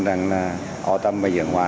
rằng là âu tâm và trường hoa